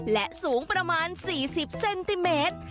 และสูงประมาณ๔๐เซนติเมตร